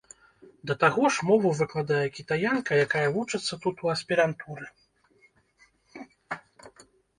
Да таго ж, мову выкладае кітаянка, якая вучыцца тут у аспірантуры.